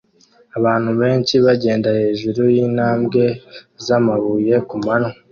Abantu benshi bagenda hejuru yintambwe zamabuye kumanywa